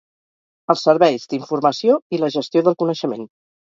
Els serveis d'informació i la gestió del coneixement.